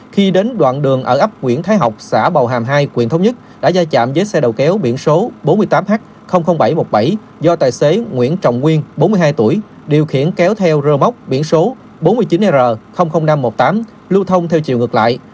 khi đến đoạn đường ở ấp nguyễn thái học xã bầu hàm hai quyện thống nhất đã ra chạm với xe đầu kéo biển số bốn mươi tám h bảy trăm một mươi bảy do tài xế nguyễn trọng nguyên bốn mươi hai tuổi điều khiển kéo theo rơ móc biển số bốn mươi chín r năm trăm một mươi tám lưu thông theo chiều ngược lại